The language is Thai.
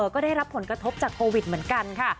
ก็ได้รับผลกระทบจากโควิดเหมือนกันค่ะ